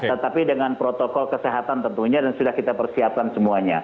tetapi dengan protokol kesehatan tentunya dan sudah kita persiapkan semuanya